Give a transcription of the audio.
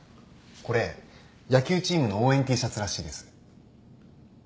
これ野球チームの応援Ｔシャツらしいです。